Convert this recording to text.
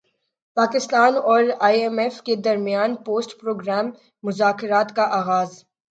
پاکستان اور I M F کے درمیان پوسٹ پروگرام مذاکرات کا اغاز